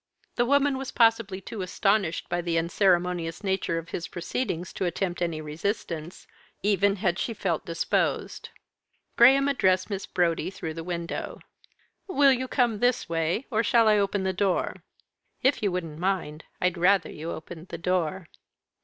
The woman was possibly too astonished by the unceremonious nature of his proceedings to attempt any resistance, even had she felt disposed. Graham addressed Miss Brodie through the window. "Will you come this way? or shall I open the door?" "If you wouldn't mind, I'd rather you opened the door."